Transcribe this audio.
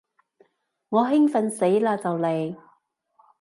我興奮死嘞就嚟